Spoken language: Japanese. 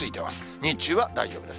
日中は大丈夫です。